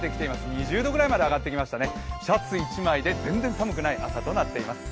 ２０度ぐらいまで上がってきましたね、シャツ１枚で全然寒くない暑さとなっています。